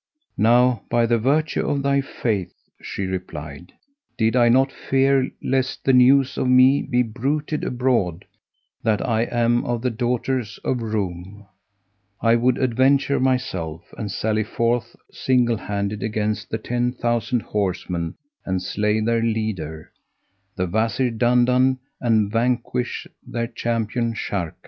"Now by the virtue of thy faith," she replied, "did I not fear lest the news of me be bruited abroad that I am of the daughters of Roum, I would adventure myself and sally forth single handed against the ten thousand horsemen and slay their leader, the Wazir Dandan and vanquish their champion Sharrkan.